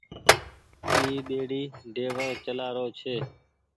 اي ٻيڙي ڊيور چلآ رو ڇي۔